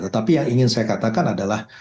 tetapi yang ingin saya katakan adalah